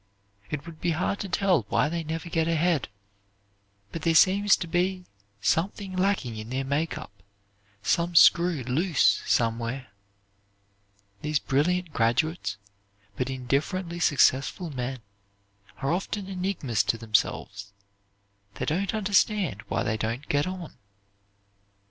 It would be hard to tell why they never get ahead, but there seems to be something lacking in their make up, some screw loose somewhere. These brilliant graduates, but indifferently successful men, are often enigmas to themselves. They don't understand why they don't get on.